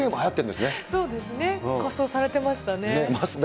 皆さんされてましたね。